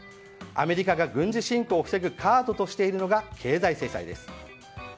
アメリカが軍事侵攻を防ぐカードとしているのが経済制裁です。